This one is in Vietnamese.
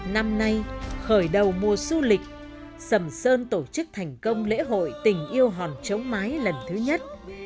năm nay khởi đầu mùa du lịch sầm sơn tổ chức thành công lễ hội tình yêu hòn chống mái lần thứ nhất